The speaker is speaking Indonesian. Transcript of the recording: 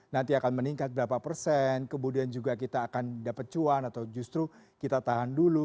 nanti akan meningkat berapa persen kemudian juga kita akan dapat cuan atau justru kita tahan dulu